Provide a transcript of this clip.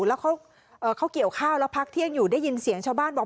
แล้วเขาเกี่ยวข้าวแล้วพักเที่ยงอยู่ได้ยินเสียงชาวบ้านบอก